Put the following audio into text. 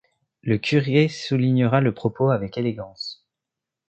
Le curé soulignera le propos avec élégance.